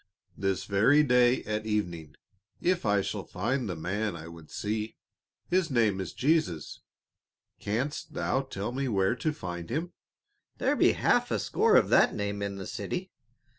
"This very day at evening, if I shall find the man I would see. His name is Jesus. Canst thou tell me where to find him?" "There be half a score of that name in the city.